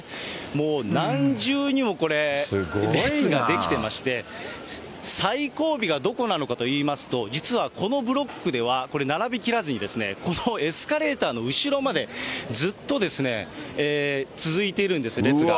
もう何重にもこれ、列が出来てまして、最後尾がどこなのかといいますと、実はこのブロックでは、これ、並びきらずに、このエスカレーターの後ろまで、ずっとですね、続いているんです、列が。